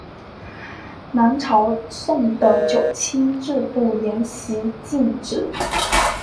南朝宋的九卿制度沿袭晋制。